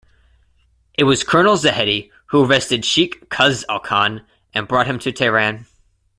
It was Colonel Zahedi who arrested Sheikh Khaz'al Khan and brought him to Tehran.